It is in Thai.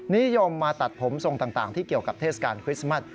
นิยมมาตัดผมทรงต่างที่เกี่ยวกับเทศกาลคริสต์มัส